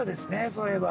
そう言えば。